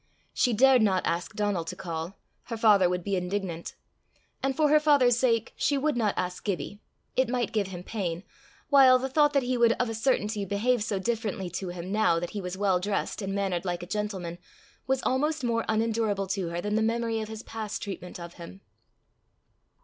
She dared not ask Donal to call: her father would be indignant; and for her father's sake she would not ask Gibbie; it might give him pain; while the thought that he would of a certainty behave so differently to him now that he was well dressed, and mannered like a gentleman, was almost more unendurable to her than the memory of his past treatment of him.